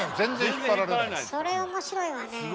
それ面白いわねえ。